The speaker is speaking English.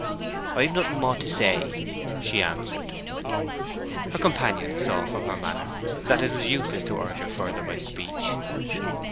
"I've nothing more to say," she answered. Her companion saw from her manner that it was useless to urge her further by speech.